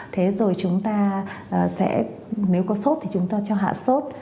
thế rồi chúng ta sẽ nếu có sốt thì chúng ta cho hạ sốt